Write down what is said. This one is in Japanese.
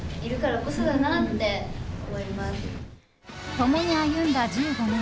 共に歩んだ１５年。